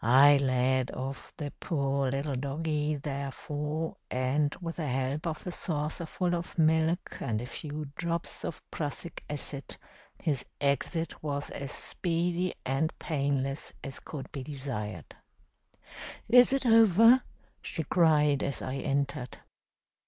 I led off the poor little doggie, therefore, and with the help of a saucerful of milk and a few drops of prussic acid his exit was as speedy and painless as could be desired. 'Is it over?' she cried as I entered.